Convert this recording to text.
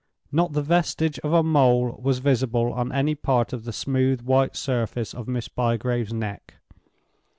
Not the vestige of a mole was visible on any part of the smooth white surface of Miss Bygrave's neck.